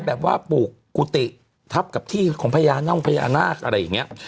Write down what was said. แบบว่าปลูกกุฏิทับกับที่ของพญาน่องพญานาคอะไรอย่างนี้